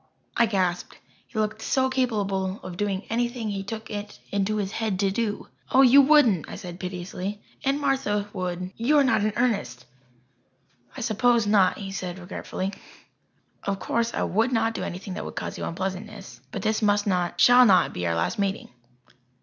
I gasped. He looked so capable of doing anything he took it into his head to do. "Oh, you wouldn't," I said piteously. "Aunt Martha would you are not in earnest." "I suppose not," he said regretfully. "Of course I would not do anything that would cause you unpleasantness. But this must not shall not be our last meeting."